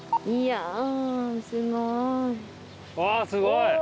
いやすごい。